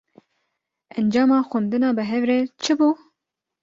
Encama xwendina bi hev re, çi bû?